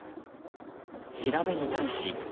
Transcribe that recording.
調べに対し。